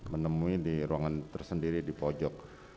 menemui di ruangan tersendiri di pojok